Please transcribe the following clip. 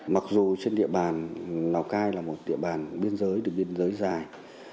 mặc dù trên địa bàn lào cai là một địa bàn biên giới đường biên giới dài